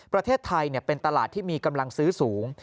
ประเทศไทยเป็นตลาดที่มีกำลังซื้อสูง